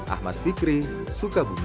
ahmad fikri sukabumi